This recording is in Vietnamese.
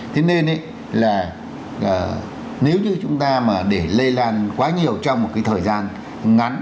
thế nên là nếu như chúng ta mà để lây lan quá nhiều trong một cái thời gian ngắn